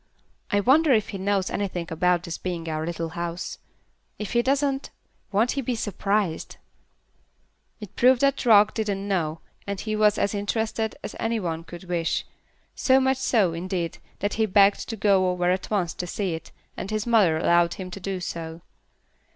I wonder if he knows anything about this being our little house. If he doesn't, won't he be surprised!" It proved that Rock didn't know, and he was as interested as any one could wish; so much so, indeed, that he begged to go over at once to see it, and his mother allowed him to do so.